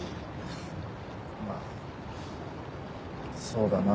まあそうだな。